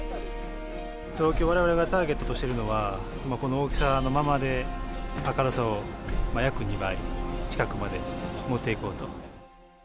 東京でわれわれがターゲットとしてるのは、この大きさのままで明るさを約２倍近くまで持っていこうと。